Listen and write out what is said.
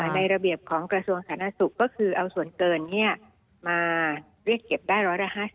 ในระเบียบของกระทรวงศาลนาศุกร์ก็คือเอาส่วนเกินมาเรียกเก็บได้ร้อยละ๕๐